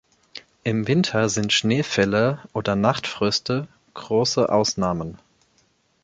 Im Winter sind Schneefälle oder Nachtfröste große Ausnahmen.